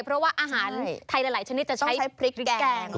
เพราะว่าอาหารไทยหลายชนิดจะใช้พริกแกง